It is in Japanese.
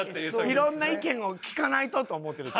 色んな意見を聞かないとと思ってる時。